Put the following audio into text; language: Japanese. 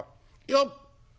よっ。